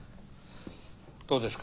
どうですか？